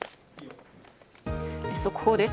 速報です。